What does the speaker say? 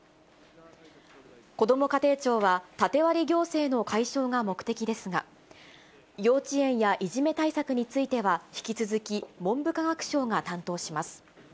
こども家庭庁は、縦割り行政の解消が目的ですが、幼稚園やいじめ対策については、引き続き、文部科学省が担当します。